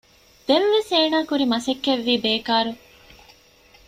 ދެންވެސް އޭނަ ކުރި މަސައްކަތްވީ ބޭކާރު